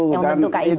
yang menutup kib